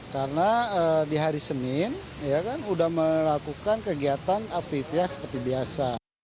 karena di hari senin ya kan sudah melakukan kegiatan afti itia seperti biasa